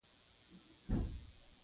ځغاسته د وینې بهېدنه تنظیموي